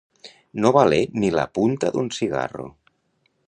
No valer ni la punta d'un cigarro.